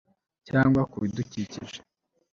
cyangwa ku bidukikije